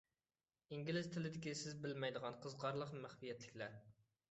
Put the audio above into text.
ئىنگلىز تىلىدىكى سىز بىلمەيدىغان قىزىقارلىق مەخپىيەتلىكلەر.